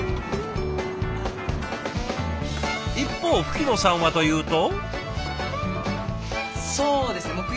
一方吹野さんはというと。